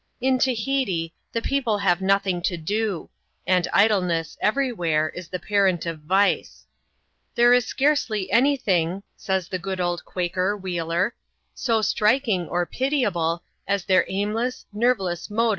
In Tahiti the people have nothing to do ; and idleness, everywhere, is the parent of vice. " There is scarcely any thing," says the good old Quaker Wheeler, "so striking;^ or pHiahle, as their aimleBB, nerveless mode o?